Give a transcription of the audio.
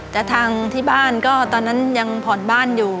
แต่ทางที่บ้านก็ตอนนั้นยังผ่อนบ้านอยู่